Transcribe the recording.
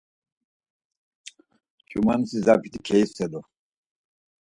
Ç̌umanişi Zabit̆i keiselu.